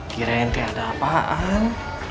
kirain kayak ada apaan